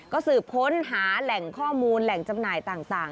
ก็สืบค้นหาแหล่งข้อมูลแหล่งจำหน่ายต่าง